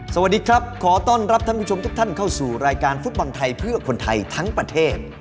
สวัสดีครับขอต้อนรับท่านผู้ชมทุกท่านเข้าสู่รายการฟุตบอลไทยเพื่อคนไทยทั้งประเทศ